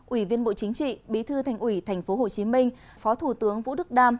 ủy viên bộ chính trị bí thư thành ủy tp hcm phó thủ tướng vũ đức đam